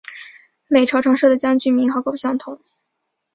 每朝常设的将军名号各不相同。